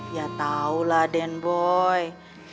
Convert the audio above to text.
ya tau lah den boy